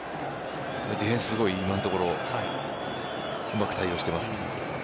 ディフェンス、今のところうまく対応してますね。